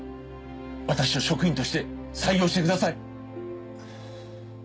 私を職員として採用してください。